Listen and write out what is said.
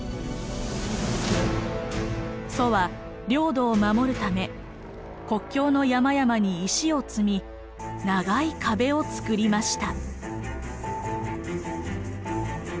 楚は領土を守るため国境の山々に石を積み長い壁をつくりました。